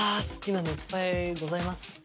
好きなのいっぱいございます。